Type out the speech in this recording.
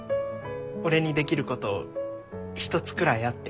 俺にできること一つくらいあって。